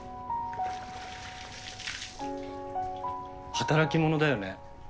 働き者だよね。